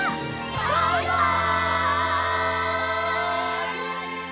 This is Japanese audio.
バイバイ！